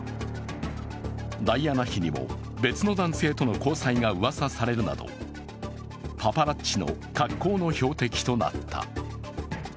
ダイアナ妃にも別の男性との交際がうわさされるなど、パパラッチの格好の標的となった。